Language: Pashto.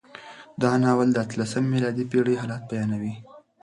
دا ناول د اتلسمې میلادي پېړۍ حالات بیانوي.